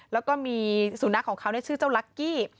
แล้วก็มีสุนัขของเขาชื่อเจ้าลักกี้